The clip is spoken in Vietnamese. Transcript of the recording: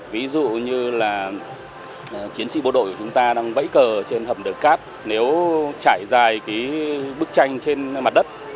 ví dụ như là chiến sĩ bộ đội của chúng ta đang vẫy cờ trên hầm đường cát nếu trải dài bức tranh trên mặt đất